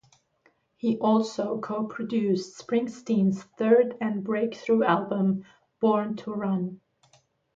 He also co-produced Springsteen's third and breakthrough album, "Born to Run".